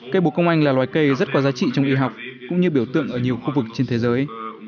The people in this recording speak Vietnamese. cây bú công anh là loài cây rất có giá trị trong y học cũng như biểu tượng ở nhiều khu vực trên thế giới